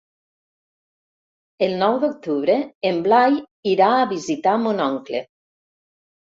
El nou d'octubre en Blai irà a visitar mon oncle.